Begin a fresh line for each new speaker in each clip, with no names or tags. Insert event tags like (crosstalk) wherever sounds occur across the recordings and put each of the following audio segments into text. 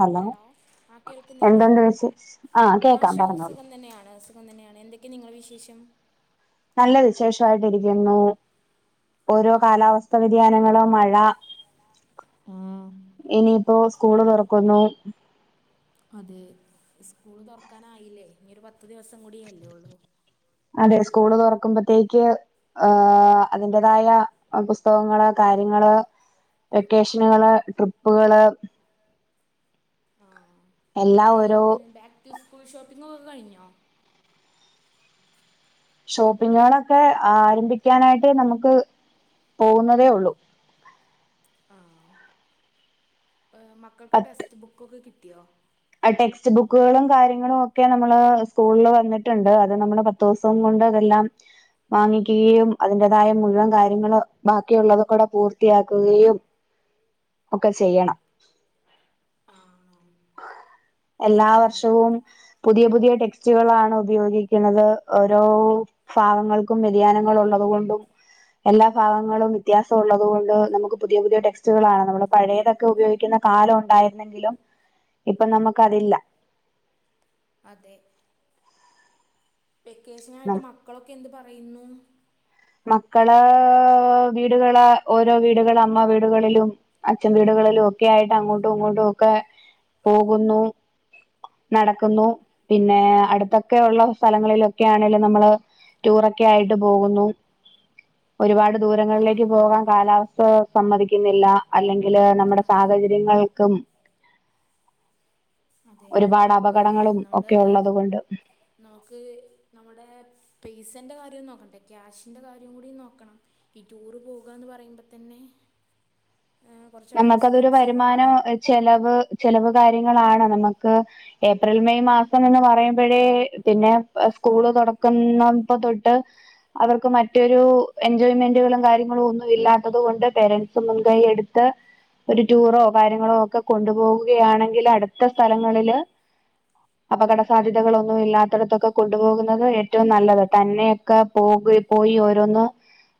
Hello
ആ കേൾക്കുന്നില്ലേ
എന്തുണ്ട് വിശേഷ ആഹ്
ആ
കേക്കാം
ഷൂ
പറഞ്ഞോളൂ
സുഖം തന്നെയാണ് സു സുഖം തന്നെയാണ് എന്തൊക്കെയാണ് നിങ്ങളെ വിശേഷം
നല്ല വിശേഷം ആയിട്ടിരിക്കുന്നു ഓരോ
ആ
കാലാവസ്ഥാ വ്യതിയാനങ്ങളും മഴ (unintelligible) ഇനിയിപ്പോ സ് സ്കൂള് തുറക്കുന്നു
അതെ സ്കൂള് തുറക്കാനായില്ലേ ഇനി ഒരു പ ത്ത് ദിവസം കൂടിയല്ലേ ഒള്ളൂ
ത്തേക്ക് ആഹ് അതിന്റതായ അ പുസ്തകങ്ങള് കാര്യങ്ങള് വെക്കേഷന്കള് ട്രിപ്പുകള് എല്ലാ
ആഹ്
ഓരോ
ഇങ്ങ് back to school shopping ഒക്കെ കഴിഞ്ഞോ
ഷോപ്പിങ്ങുകളൊക്കെ ആരംഭിക്കാനായിട്ട് നമുക്ക് പോകുന്നതേ ഒള്ളൂ
മക്കക്ക് ടെക്സ്റ്റ് ബുക്ക് ഒക്കെ കിട് ദ്യോ
അഹ് ടെക്സ്റ്റ് ബുക്കുകളും കാര്യങ്ങളും ഒക്കെ നമ്മള് സ്കൂളിൽ വന്നിട്ടുണ്ട് അത് നമ്മള് പത്തു ദിവസം കൊണ്ട് അതെല്ലാം വാങ്ങിക്കുകയും അതിന്റെതായ മുഴുവൻ കാര്യങ്ങള് ബാക്കിയുള്ളത്ക്കൂടെ പൂർത്തിയാക്കുകയും ഒക്കെ ചെയ്യണം
ആണോ ഏ
എല്ലാ വർഷവും
എല്ലാ
പുതിയ
വർഷവും
പുതിയ ടെക്സ് റ്റ് കളാണ് ഉപയോഗിക്കുന്നത് ഓരോ ഭാഗങ്ങൾക്കും വെതിയാനങ്ങൾ ഒള്ളത് കൊണ്ടും എല്ലാ ഭാഗങ്ങളും വ്യത്യാസം ഉള്ളത് കൊണ്ട് നമുക്ക് പുതിയ പുതിയ ടെക്സ്റ്റുകളാണ് നമ്മള് പഴയതൊക്കെ ഉപയോഗിക്കുന്ന കാലം ഒണ്ടായിരുന്നെങ്കിലും ഇപ്പൊ നമക്ക് അതില്ല
അതെ വെക്കേഷനായിട്ട് മക്കളൊക്കെ എന്ത് പറയുന്നു
മക്കള് ഏഹ് വീടുകള് ഓരോ വീടുകള് അമ്മ വീട്കളിലും അച്ഛൻ വീട്കളിലും ഒക്കെ ആയിട്ട് അങ്ങോട്ടും ഇങ്ങോട്ടും ഒക്കെ പോകുന്നു നടക്കുന്നു പിന്നെ അടുത്തൊക്കെഒള്ള സലങ്ങളിലൊക്കെ ആണെലും നമ്മള് ടൂറൊക്കെ ആയിട്ട് പോകുന്നു ഒരുപാട്
ആ
ദൂരങ്ങളിലേക്ക് പോകാൻ കാലാവസ് സ് സമ്മതിക്കുന്നില്ല അല്ലെങ്കില് ന മ്മടെ
അതെ
സാഹചര്യങ്ങൾക്കും
അതെ
ഒരുപാട്
ആഹ്
അപകടങ്ങളും
നമ്മള്
ഒക്കെ ഉള്ളത് കൊണ്ട്
നമുക്ക് നമ്മുടെ പി സ്ന്റ് കാര്യം നോക്കണ്ടെ ക്യാഷിന്റെ കാര്യം കൂടി നോക്കണം ഈ ടൂറ് പോകുകാന്ന് പറയുമ്പ തന്നെ ആഹ് കൊറച്ചൊക്കെ
ക്കതൊരു വരുമാനം ചെലവ് ചെല് ലവ് കാര്യങ്ങളാണ് നമക്ക് ഏപ്രിൽ മെയ് മാസം എന്ന് പറയുമ്പഴേ പിന്നെ പ സ്കൂള് തുടക്കുന്നപ്പ തൊട്ട് അവർക്ക് മറ്റൊരു എൻജോയ്മെന്റുകളും കാര്യങ്ങളും ഒന്നും ഇല്ലാത്തത് കൊണ്ട് പേരൻസ് മുൻകൈ എടുത് ത്ത് ഒരു ടൂറോ കാര്യങ്ങളോ ഒക്കെ കൊണ്ടുപോവുകയാണെങ്കില് അടുത്ത സ്ഥലങ്ങളില് അപകട സാധ്യതകളൊന്നും ഇല്ലാത്തടത്തൊക്കെ കൊണ്ടുപോകുന്നത് ഏറ്റവും നല്ലത് തന്നെയൊക്കെ പോകു പോയി ഓരോന്ന്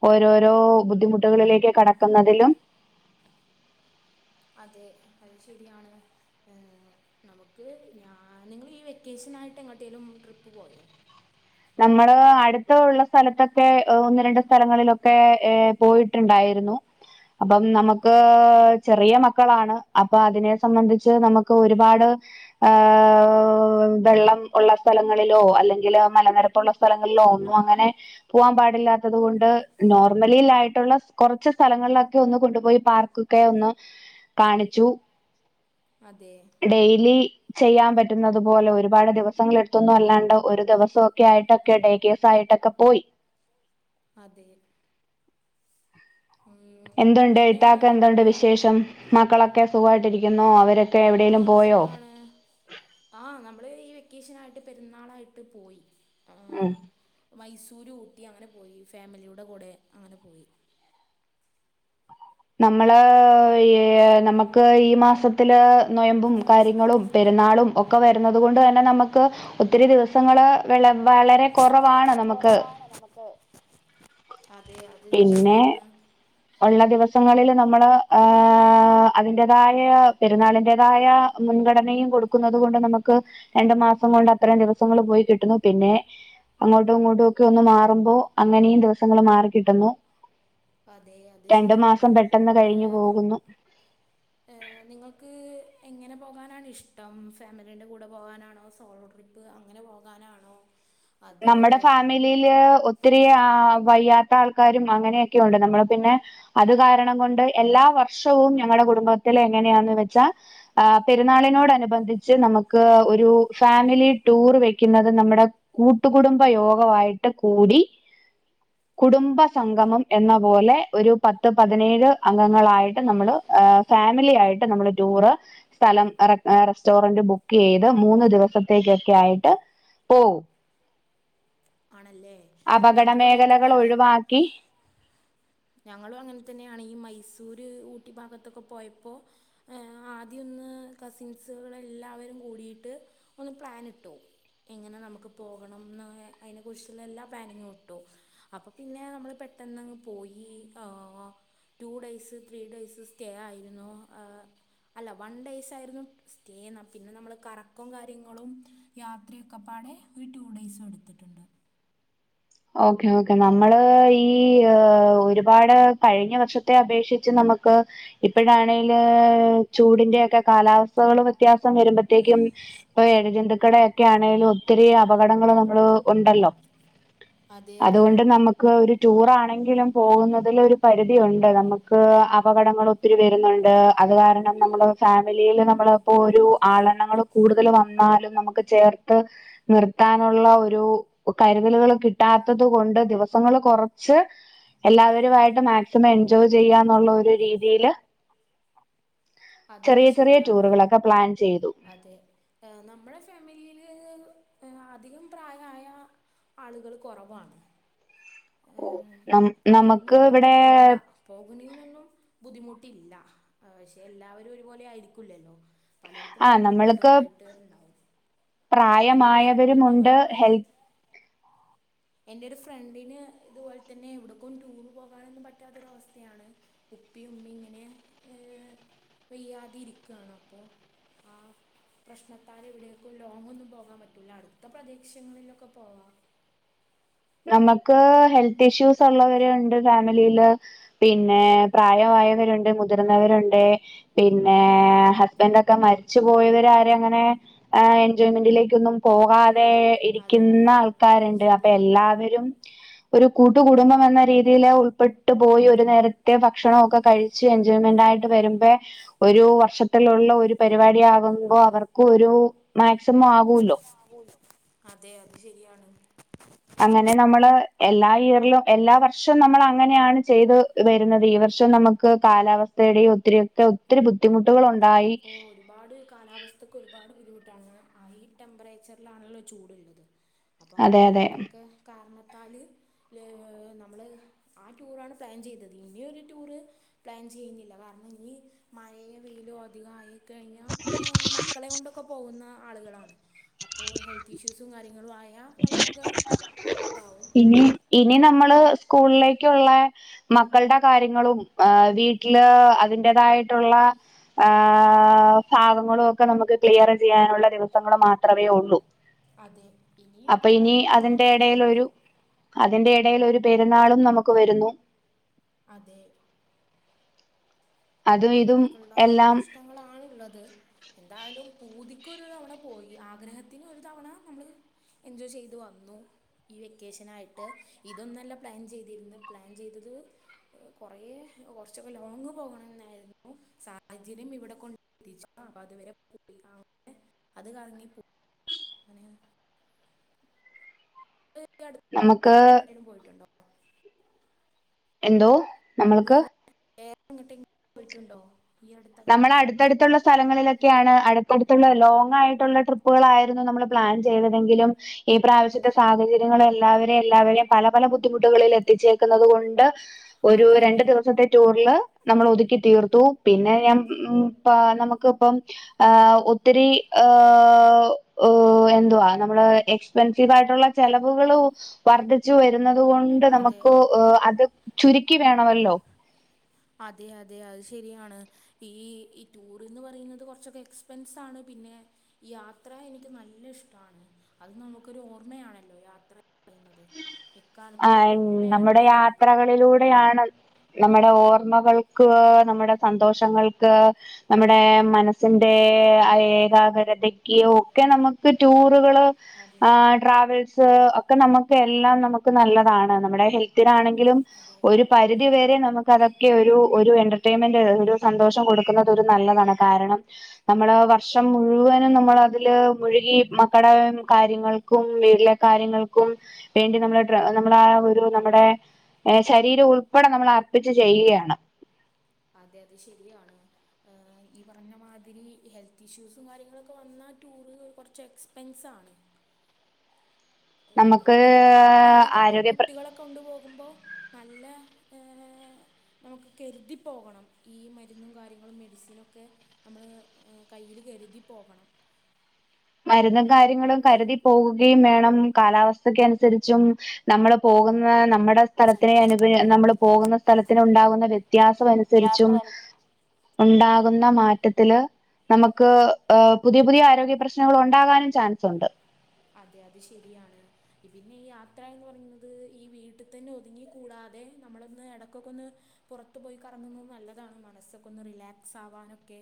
ഓരോരോ ബുദ്ധിമുട്ടുകളിലേക്ക് കടക്കുന്നതിലും
അതെ അത് ശരിയാണ് ഏഹ് നമുക്ക് ഞാന് നിങ്ങള് ഈ വെക്കേഷനായിട്ട് എങ്ങോട്ടേലും ട്രിപ്പ് പോയോ?
നമ്മള് അടുത്ത് ഉള്ള സ്ഥലത്തൊക്കെ ഒന്ന് രണ്ട് സ്ഥലങ്ങളിലൊക്കെ ഏഹ് പോയിട്ടുണ്ടായിരുന്നു അപ്പം
ആ
നമുക്ക് ചെറിയ മ ക്കളാണ് അപ്പ അതിനെ സംബന്ധിച്ച് നമുക്ക് ഒരുപാട് ആഹ് വെള്ളം ഒള്ള സ്ഥലങ്ങളിലോ അല്ലെങ്കില് മലനിരപ്പുള്ള സ്ഥലങ്ങളിലോ ഒന്നും അങ്ങനെ പോവാൻ പാടില്ലാത്തത് കൊണ്ട് നോർമലിയായിട്ടുള്ള കുറച്ച് സ്ഥലങ്ങളിലൊക്കെ ഒന്ന് കൊണ്ടുപോയി പാർക്കൊക്കെ ഒന്ന് കാണിച്ചു
അതെ
ഡെയ്ലി ചെയ്യാം പറ്റുന്നത് പോലെ ഒരുപാട് ദിവസങ്ങള് എടുത്തൊന്നും അല്ലാണ്ട് ഒരു ദെവസ് ഒക്കെ ആയിട്ടൊക്കെ ഡേകേസ് ആയിട്ടൊക്കെ പോയി
അതെ ഉം,
എന്തുണ്ട്
പിന്നെ
ഇത്താക്ക്
നമ്മൾ
എന്തുണ്ട് വിശേഷം മക്കളൊക്കെ സുഖാ ക്കുന്നോ അ
ആഹ് സുഖാണ് ആ നമ്മള് ഈ വെക്കേഷനായിട്ട് പെരുന്നാളായിട്ട് പോയി
ഉം
രു ഊട്ടി അങ്ങനെ പോയി ഫാമിലിയുടെ കൂടെ അങ്ങനെ പോയി
നമ്മള് ഈ നമുക്ക് ഈ മാസത്തില് നൊയമ്പും കാര്യങ്ങളും പെരുന്നാളും ഒ- ക്കെ വരുന്നത് കൊണ്ട് തന്നെ നമുക്ക് ഒത്തിരി ദിവസങ്ങള് വളരെ കുറവാണ് നമുക്ക്
അതെ അത്
പിന്നെ
ശരിയാണ്
ഉള്ള ദിവസം ദിവസങ്ങളില് നമ്മള് ഏഹ അതിന്റേതായ പെരുന്നാളിന്റേതായ മുൻഗണനയും കൊടുക്കുന്നത് കൊണ്ട് നമുക്ക് രണ്ടു മാസം കൊണ്ട് അത്രം ദിവസങ്ങള് പോയി കിട്ടുന്നു പിന്നെ അങ്ങോട്ടും ഇങ്ങോട്ടും ഒക്കെ ഒന്ന് മാറുമ്പോ അങ്ങനെയും ദിവസങ്ങള് മാറി കിട്ടുന്നു
അതെ അത്
രണ്ടു
ശരിയാണ്
മാസം പെട്ടെന്ന്
നമ്മള്
കഴിഞ്ഞു പോകുന്നു
ഏഹ് നിങ്ങൾക്ക് എങ്ങനെ പോകാനാണ ഇഷ്ടം ഫാമിലീന്റെ കൂടെ പോകാനാണോ സോളോ ട്രിപ്പ് അങ്ങനെ പോകാനാണോ അതോ
നമ്മുടെ ഫാമിലിയില്
ഏഹ്
ഒത്തിരി വയ്യാത്ത ആൾക്കാരും അങ്ങനെയൊക്കെ ഉണ്ട് നമ്മൾ പിന്നെ അത് കാരണം കൊണ്ട് എല്ലാ വർഷവും ഞങ്ങളടെ കുടുംബത്തില എങ്ങനെയാന്ന് വെച്ചാൽ ആ പെരുന്നാളിനോട് അനുബന്ധിച്ച് നമുക്ക് ഒരു ഫാമിലി ടൂർ വെക്കുന്നത് നമ്മുടെ കൂട്ടുകുടുംബ യോഗമായിട്ട് കൂടി കുടുംബ സംഗമം എന്ന പോലെ ഒരു പത്ത് പതിനേഴ് അംഗങ്ങളായിട്ട് നമ്മൾ ഫാമിലി ആയിട്ട് നമ്മള് ടൂറ് സ്ഥലം റെസ്റ്റോറന്റ് ബുക്ക് ചെയ്ത് മൂന്ന് ദിവസത്തേക്കൊക്കെ ആയിട്ട് പോകും
ആണല്ലേ
അപകട
ഞങ്ങളും അങ്ങനെ
മേഖലകൾ
തന്നെയാണ്
ഒഴിവാക്കി
ഞങ്ങളും അങ്ങനെ തന്നെയാണ് ഈ മൈസൂര് ഊട്ടി ഭാഗത്തൊക്കെ പോയപ്പോൾ ആദ്യമൊന്ന് കസിൻസുകൾ എല്ലാവരും കൂടിട്ട് ഒന്ന് പ്ലാനിട്ടു എങ്ങനെ നമുക്ക് പോകണംന്ന് അതിനെ കുറിച്ചുള്ള എല്ലാ പ്ലാനിങ്ങും ഇട്ടു അപ്പൊ പിന്നെ നമ്മള് പെട്ടെന്നങ്ങ് പോയി ഈ two days three days stay ആയിരുന്നു അല്ല വൺ ഡേയ്സ് ആയിരുന്നു സ്റ്റേ എന്ന പിന്നെ നമ്മൾ കറക്കും കാര്യങ്ങളും യാത്രയൊക്കെ പാടെ ഒരു ടു ഡേയ്സും എടുത്തിട്ടുണ്ട്.
ഓക്കെ ഓക്കെ നമ്മള് ഈ ഒരുപാട് കഴിഞ്ഞ വർഷത്തെ അപേക്ഷിച്ച് നമുക്ക് ഇപ്പഴാണെല് ചൂടിന്റെ ഒക്കെ കാലാവസ്ഥകൾ വ്യത്യാസം വരുമ്പോത്തേക്കും ഇപ്പൊ എഴജന്തുക്കളൊക്കെ ആണെലും ഒത്തിരി അപകടങ്ങൾ നമ്മള് ഉണ്ടല്ലോ
അതെ
അതുകൊണ്ട് നമുക്ക് ഒരു- ടൂർ ആണെങ്കിലും പോകുന്നതിൽ ഒരു പരിധിയുണ്ട് നമുക്ക് അപകടങ്ങൾ ഒത്തിരി വരുന്നുണ്ട് അത് കാരണം നമ്മുടെ ഫാമിലിയിൽ നമ്മള് ഇപ്പോ ഒരു ആളെണ്ണങ്ങൾ കൂടുതൽ വന്നാലും നമുക്ക് ചേർത്ത് നിർത്താനുള്ള ഒരു കരുതലുകൾ കിട്ടാത്തത് കൊണ്ട് ദിവസങ്ങൾ കുറച്ച് എല്ലാവരും മായിട്ട് മാക്സിമം എൻജോയ് ചെയ്യാന്നൊള്ള ഒരു രീതിയില്
അതെ അത്
ചെറിയ ചെറിയ
ശരിയാണ്
ടൂറുകളൊക്കെ പ്ലാൻ ചെയ്തു.
അതെ നമ്മുടെ ഫാമിലിയില് അധികം പ്രായമായ ആളുകൾ കുറവാണ്.
ഓ
ഏഹ്
ന നമുക്ക് ഇവിടെ
നൊന്നും ബുദ്ധിമുട്ടില്ല പക്ഷെ എല്ലാവരും ഒരുപോലെ ആയിരിക്കൂല്ലല്ലോ പലർക്കും
ആ
പല
നമ്മൾക്ക്
ബുദ്ധിമുട്ടുകളായിട്ട് എൻ്റെ ഒരു ഫ്രണ്ടിന്
പ്രായമായവരുമുണ്ട് ഹെൽപ്
എന്റെ ഒരു ഫ്രണ്ടിന് ഇതുപോലെ തന്നെ എവിടേക്കും ടൂർ പോകാനൊന്നും പറ്റാത്തൊരവസ്ഥയാണ് ഉപ്പി ഉമ്മി ഇങ്ങനെ ഏ വയ്യാതെ ഇരിക്കുകാണ് അപ്പോ ആ പ്രശ്നത്താൽ എവിടേക്കും ലോങ് ഒന്നും പോകാൻ പറ്റൂല അടുത്ത പ്രദേശങ്ങളിലൊക്കെ പോവാ.
നമുക്ക് ഹെൽത്ത് ഇഷ്യൂസ് ഉള്ളവരു ഉണ്ട് ഫാമിലിയില് പിന്നെ പ്രായമായവരുണ്ട് മുതിർന്നവരുണ്ട് പിന്നെ ഹസ്ബൻഡ് ഒക്കെ മരിച്ചു പോയവര് അങ്ങനെ എൻജോയ്മെന്റിലേക്ക് ഒന്നും പോകാ തെ
അതെ
ഇരിക്കുന്ന
അതെ അത്
ആൾക്കാരുണ്ട് അപ്പൊ
ശരിയാണ്
എല്ലാ രും ഒരു കൂട്ടുകടുംബം എന്ന രീതിൽ ഉൾപ്പെട്ട് പോയി ഒരു നേരത്തെ ഭക്ഷണം ഒക്കെ കഴിച്ച് എൻജോയ്മെന്റ് ആയിട്ട് വരുമ്പോ ഒരു വർഷത്തിലുള്ള ഒരു പരിപാടി ആകുമ്പോ അവർക്ക് ഒരു മ ക്സിമം ആകുല്ലോ.
അതെ അത് ശരിയാണ്.
അങ്ങനെ നമ്മള് എല്ലാ ഇയറിലും എല്ലാ വർഷം നമ്മൾ അങ്ങനെയാണ് ചെയ്ത് വരുന്നത് ഈ വർഷം നമുക്ക് കാലാവസ്ഥയുടെയും ഒത്തിരിയൊക്കെ ഒത്തിരി ബുദ്ധിമുട്ടുകൾ
അതെ
ഉണ്ടായി
ഇപ്പോ ഒരുപാട് കാലാവസ്ഥക്ക് ഒരുപാട് ബുദ്ധിമുട്ടാണ്. ഹൈ ടെമ്പറേച്ചറിലാണല്ലോ ചൂടുള്ളത്. അപ്പൊ ആ
അതെ അതെ
കാര്യങ്ങളൊക്കെ കാരണം എന്നാല് നമ്മള് ആ ടൂറാണ് പ്ലാൻ ചെയ്തത് ഇനിയൊരു ടൂറ് പ്ലാൻ ചെയ്യുന്നില്ല കാരണം ഇനി- മഴ വെയിലും അധികമയേൽ കഴിഞ്ഞു പോ മക്കളെ കൊണ്ടൊക്കെ പോകുന്ന- ആളുകളാണ് അപ്പോൾ ഹെൽത്ത് ഇഷ്യൂസും കാര്യങ്ങളും ആ- ഞ്ഞാ നമ്മളാകേ (unintelligible)
ഇനി ഇനി നമ്മള് സ്കൂളിലേക്കുള്ള മക്കളുടെ കാര്യങ്ങളും വീട്ടില് അതിന്റെതായിട്ടുള്ള ആ ഭാഗങ്ങളും ഒക്കെ നമുക്ക് ക്ലിയർ ചെയ്യാനുള്ള ദിവസങ്ങള് മാത്രമേ ഉള്ളൂ
അതെ ഇനി
അപ്പൊ ഇനി
പോകാനൊരു പ്ലാൻ
അതിന്റെ
ഇല്ല ഇപ്പോ
ഇടയിലൊരു അതിന്റെ ഇടയിൽ ഒരു പെരുന്നാളും നമുക്ക് വരുന്നു
അതെ
അതും ഇതും
അങ്ങനെയൊക്കെയുള്ള
എല്ലാം
പ്രശ്നങ്ങളാണ് ഉള്ളത് എന്തായാലും പൂതി- ട്രിപ്പ്‌ ഒരു തവണ പോയി ആഗ്രഹത്തിന് ഒരു തവണ നമ്മൾ എൻജോയ് ചെയ്ത് വന്നു ഈ വെക്കേഷനായിട്ട് ഇതൊന്നല്ല പ്ലാൻ ചെയ്തിരുന്നെ പ്ലാൻ ചെയ്തത് കുറ കുറച്ചൊക്കെ ലോങ് പോകണന്നായിരുന്നു സാഹചര്യം ഇവിടെ കൊണ്ട് എത്തിച്ചു അപ്പൊ അതുവരെ പോയി അത് കറങ്ങിയി അങ്ങനെ ഈ അടുത്ത കാലത്ത്
നമുക്ക്
വേറെ എങ്ങോട്ടേലും പോയിട്ടുണ്ടോ
എന്തോ നമ്മൾക്ക്
വേറെ (inaudible) പോയിട്ടുണ്ടോ ഈ അടുത്ത
നമ്മള്
കാലങ്ങളിൽ
അടുത്തടുത്തുള്ള സ്ഥലങ്ങളിലൊക്കെയാണ് അടു ഇപ്പടുത്തുള്ള ലോങ്ങ് ആയിട്ടുള്ള ട്രിപ്പുകളായിരുന്നു നമ്മള് പ്ലാൻ ചെയ്തതെങ്കിലും ഈ പ്രാവശ്യത്തെ സാഹചര്യങ്ങൾ എല്ലാവരേയും എല്ലാവരേയും പല പല ബുദ്ധിമുട്ടുകളിലെത്തിച്ചേക്കുന്നത് കൊണ്ട് ഒരു
അതെ
രണ്ട് ദിവസത്തെ ടൂറില് നമ്മളൊതുക്കി തീർത്തു പിന്നെ മ്യാ മ് പാ നമ്മക്ക് ഇപ്പോ ഏഹ് ഒത്തിരി ആഹ് ആഹ്‌ എന്തുവാ നമ്മള് എക്സ്പെൻസിവ് ആയിട്ടുള്ള ചെലവുകള് വർധിച്ചു വരു ന്നത് കൊണ്ട്
അതെ
നമ്മക്ക് ആഹ്‌ അതു ചുരുക്കി വേണമല്ലോ
അതെ അതെ അത് ശരിയാണ് ഈ ഈ ടൂർന്ന് പറയുന്നത് കൊറച്ചൊക്കെ എക്സ്പെൻസാണ് പിന്നെ യാത്ര എനിക്ക് നല്ല ഇഷ്ടാണ് അത് നമുക്കൊരു ഓർമ്മയാണല്ലോ യാത്ര. എന്ന് പറയുന്നത്
ആ
എക്കാലത്തെയും ഒരു
നമ്മുടെ
ഓർമ്മയായിട്ട് നിൽക്കും
യാത്രകളിലൂടെയാണ് നമ്മുടെ ഓർമ്മകൾക്ക് നമ്മുടെ സന്തോഷങ്ങൾക്ക് നമ്മുടെ മനസ്സിന്റെ ആ ഏകാഗ്രതക്ക് ഒക്കെ നമുക്ക് ടൂർ കള്
അതെ
ആഹ്‌ ട്രാവൽസ് സ് ഒക്കെ നമ്മ എല്ലാം നമുക്ക് നല്ലതാണ് നമ്മുടെ ഹെൽ ത്തിനാണെങ്കിലും
അതെ
ഒരു പരിധിവരെ നമു ക്കതൊക്കെ ഒരു ഒരു എന്റർടൈമെന്റ് ഒരു സന്തോഷം കൊടുക്കുന്നത് ഒരു നല്ലതാണ് കാരണം നമ്മള് വർഷം മുഴുവനും നമ്മള് അതില് മുഴുകി മക്കടെ കാര്യങ്ങൾക്കും വീട്ടിലെ കാര്യങ്ങൾക്കും വേണ്ടി നമ്മുടെ ഡ്രാ നമ്മളാ ഒരു നമ്മുടെ എ ശരീരം ഉൾപ്പെടെ നമ്മള് അർപ്പിച്ച് ചെയ്യുകയാണ്.
അതെ അതെ ശരിയാണ് ഈ പറഞ്ഞമാതിരി ഹെൽത്ത് ഇഷ്യൂസും കാര്യങ്ങളൊക്കെ വന്നാ ടൂറ് കൊറച്ച് എക്സ്പെൻസ് ആണ്. ഉം
നമുക്ക്
നല്ലൊരു കുട്ടികളേക്കെ പോ
ആരോഗ്യ പ്ര
കുട്ടികളെ കൊണ്ടു പോകുമ്പോ നല്ല എ നമുക്ക് കെരുതിപ്പോകണം ഈ മരുന്നും കാര്യങ്ങളും മെഡിസിനൊക്കെ നമ്മള് കയ്യില് കെരുതിപ്പോകണം
മരുന്നും കാര്യങ്ങളും കരുതി പോകുകയും വേണം കാലാവസ്ഥക്കനുസരിച്ചും നമ്മള് പോകുന്ന നമ്മുടെ സ്ഥലത്തിനെ അനു നമ്മൾ പോകുന്ന സ്ഥലത്തിന് ഉണ്ടാകുന്ന വ്യത്യാസം അനുസരിച്ചും ഉണ്ടാകുന്ന മാറ്റത്തില് നമുക്ക് ഹ് പുതിയ പുതിയ ആരോഗ്യ പ്രശ്ന ങ്ങൾ ഒണ്ടാകാനും ചാൻസുണ്ട്
അതെ അതെ ശരിയാണ് പിന്നെ ഈ യാത്ര എന്ന് പറയുന്നത് ഈ വീട്ടിത്തന്നെ ഒതുങ്ങി കൂടാതെ നമ്മളൊന്ന് എടക്കൊക്കെ ഒന്ന് പൊറത്ത് പോയി കറങ്ങുന്നത് നല്ലതാണ് മനസ്സൊക്കെ ഒന്ന് റിലാക്സ് ആവാനൊക്കെ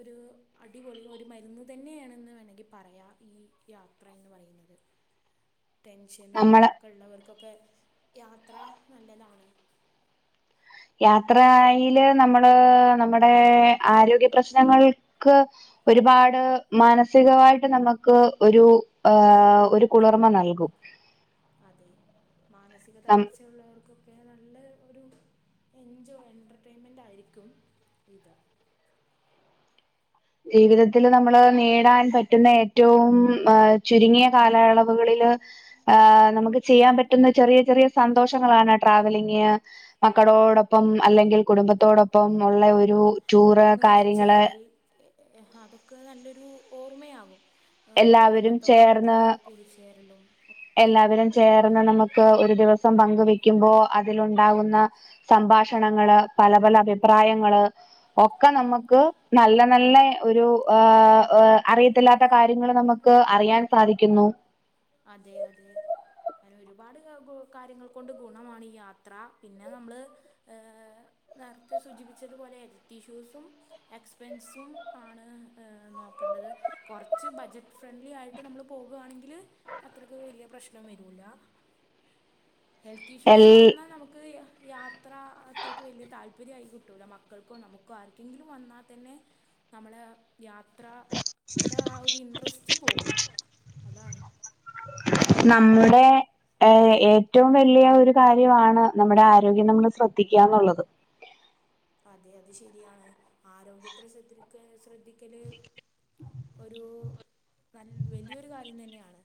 ഒരു അടിപൊളി ഒരു മരുന്ന് തന്നെയാണെന്ന് വേണങ്കി പറയാ ഈ യാ ത്രായെന്ന് പറയുന്നത്. ടെൻഷനും
നമ്മള്
ഒക്കള്ളവർക്കൊ യാത്ര നല്ലതാണ്
യാത്രയില് നമ്മള് നമ്മുടെ ആരോഗ്യ പ്രശ്നങ്ങൾക്ക് ഒരുപാട് മാനസികവായിട്ട് നമുക്ക് ഒരു ആ ഒരു കുളിർമ നൽകും
അതെ മാനസിക
നം
തളർച്ച ഉള്ളവർക്കും നല്ല ഒരു എൻജോ എന്റർടേൻമെന്റ് ആയിരിക്കും ഇത്
ജീവിതത്തില് നമ്മള് നേടാൻ പറ്റുന്ന ഏറ്റവും അ ചുരുങ്ങിയ കാലയളവുകളില് ഹ നമുക്ക് ചെയ്യാൻ പറ്റുന്ന ചെറിയ ചെറിയ സന്തോഷങ്ങളാണ് ട്രാവലിംഗ് മക്കളോടൊപ്പം അല്ലെങ്കിൽ കുടുംബത്തോടൊപ്പം ഒള്ള ഒ രൂ ടൂറ് കാര്യങ്ങള്
കൂടിച്ചേരൽ അതൊക്കെ നല്ലൊരു ഓർമ്മയാവും
എല്ലാവരും ചേർന്ന്
കൂടിച്ചേരലും ഒക്കെ
എല്ലാവരും ചേർന്ന്
അതെ
നമുക്ക് ഒരു ദിവസം പങ്ക്‌ വെ ക്കുപ്പോ അതിലുണ്ടാകുന്ന സംഭാഷണങ്ങള് പല പല അഭിപ്രായങ്ങള് ഒക്കെ നമുക്ക് നല്ല നല്ല ഒരു ആ അറിയത്തില്ലാത്ത കാര്യങ്ങൾ നമുക്ക് അറിയാൻ സാധിക്കുന്നു
അതെ അതെ അതിന് ഒരുപാട് കാര്യങ്ങൾ കൊണ്ട് ഗുണമാണ് ഈ യാത്ര പിന്നെ നമ്മള് ഏ നേരത്തെ സൂചിപ്പിച്ചതുപോലെ ഹെൽത്ത് ഇഷ്യൂസും എക്സ്പെൻസും ആണ് നോക്കേണ്ടത് കുറച്ച് ബജറ്റ് ഫ്രണ്ട്ലി ആയിട്ട് നമ്മള് പോകുകയാണെങ്കില് അത്രയ്ക്ക് വലിയ പ്രശ്നം വരൂല ഹെൽത്ത്
എൽ
ഇഷ്യൂസ് വന്നാൽ നമുക്ക് യാത്ര അത്രയ്ക്ക് വലിയ താല്പര്യമായി കിട്ടൂല മക്കൾക്കോ നമുക്കോ ആർക്കെങ്കിലും വന്നാൽ തന്നെ നമ്മുടെ യാത്ര ന്റെ ആ ഒരു ഇൻഡ്രസ്‌റ്റ്‌ പോകും അതാണ്
നമ്മുടെ ഏ ഏറ്റവും വലിയ ഒരു കാര്യമാണ് നമ്മുടെ ആരോഗ്യം നമ്മൾ ശ്രദ്ധിക്കുകന്നുള്ളത്
അതെ അത് ശരിയാണ് ആരോഗ്യത്തെ ശ്രദ്ധ ശ്രദ്ധിക്കല് ഒരു നൽ വലിയൊരു കാര്യം തന്നെയാണ്